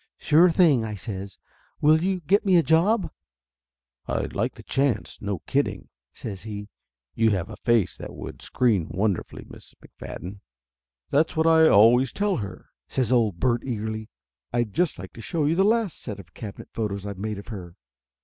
"Sure thing!" I says. "Will you get me a job?" "I'd like the chance, no kidding," says he. "You have a face that would screen wonderfully, Miss McFadden." "That's what I always tell her!" says old Bert eagerly. "I'd just like to show you the last set of cabinet photos I've made of her."